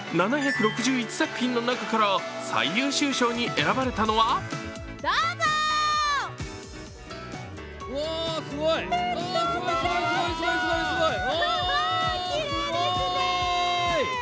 ７６１作品の中から最優秀賞に選ばれたのはすごい、すごい、すごーい。